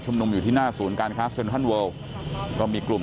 นุมอยู่ที่หน้าศูนย์การค้าเซ็นทรัลเวิลก็มีกลุ่ม